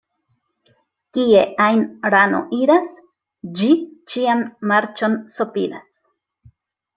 Kie ajn rano iras, ĝi ĉiam marĉon sopiras.